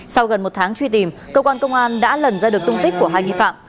sau gần một tháng truy tìm cơ quan công an đã lần ra được tung tích của hai nghi phạm